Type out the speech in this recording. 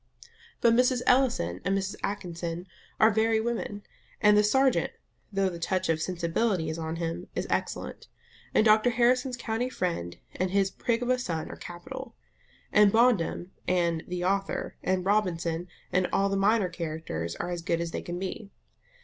But Mrs. Ellison and Mrs. Atkinson are very women, and the serjeant, though the touch of "sensibility" is on him, is excellent; and Dr Harrison's country friend and his prig of a son are capital; and Bondum, and "the author," and Robinson, and all the minor characters, are as good as they can be.